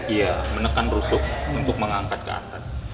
iya menekan rusuk untuk mengangkat ke atas